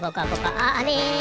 あれ？